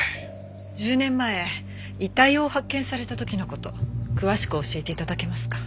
１０年前遺体を発見された時の事詳しく教えて頂けますか？